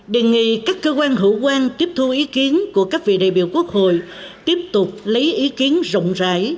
đề nghị các cơ quan hữu quan tiếp thu ý kiến của các vị đại biểu quốc hội tiếp tục lấy ý kiến rộng rãi